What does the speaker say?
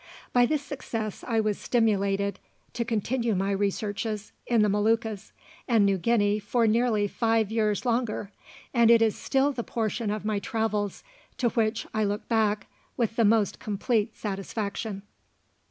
By this success I was stimulated to continue my researches in the Moluccas and New Guinea for nearly five years longer, and it is still the portion of my travels to which I look back with the most complete satisfaction.